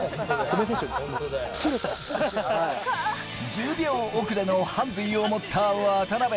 １０秒遅れのハンディを持った渡邉。